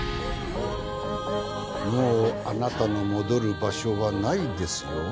もうあなたの戻る場所はないですよ。